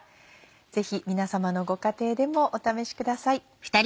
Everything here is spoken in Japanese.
ぜひ皆さまのご家庭でもお試しください。